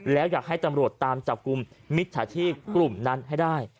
แล้วอยากให้ตำรวจตามจับกลุ่มมิจฉาชีพกลุ่มนั้นให้ได้